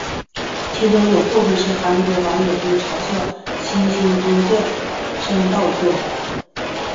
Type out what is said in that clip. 其中有部分是韩国网友为嘲笑新兴宗教甑山道做的。